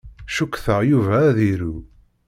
Cukkteɣ Yuba ad iru.